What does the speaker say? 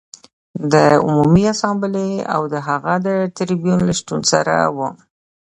د عمومي اسامبلې او د هغې د ټربیون له شتون سره و